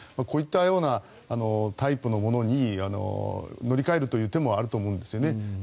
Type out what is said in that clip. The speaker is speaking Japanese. こういったようなタイプのものに乗り換えるという手もあると思うんです。